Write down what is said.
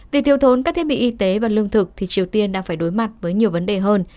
trong thốn các thiết bị y tế và lương thực triều tiên đang phải đối mặt với nhiều vấn đề hơn